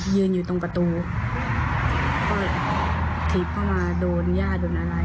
ยืนอยู่ตรงประตูก็เลยถีบเข้ามาโดนญาติโดนอะไร